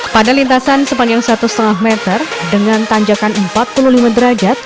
pada lintasan sepanjang satu lima meter dengan tanjakan empat puluh lima derajat